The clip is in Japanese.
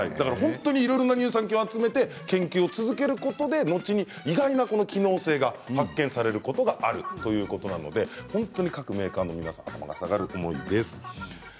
いろんな乳酸菌を集めて研究することで後にいろいろな意外な機能性が発見されることがあるということで各メーカーの皆さん頭が下がる思いです。